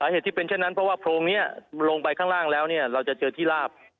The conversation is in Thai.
เหตุที่เป็นเช่นนั้นเพราะว่าโพรงนี้ลงไปข้างล่างแล้วเนี่ยเราจะเจอที่ลาบ